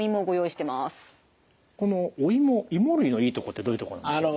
このおいもいも類のいいとこってどういうとこなんでしょう？